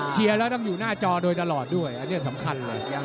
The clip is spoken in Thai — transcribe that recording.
แล้วต้องอยู่หน้าจอโดยตลอดด้วยอันนี้สำคัญเลย